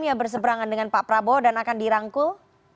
yang berseberangan dengan pak prabowo dan akan dirangkul